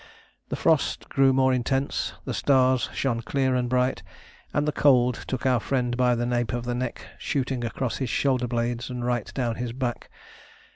The frost grew more intense, the stars shone clear and bright, and the cold took our friend by the nape of the neck, shooting across his shoulder blades and right down his back.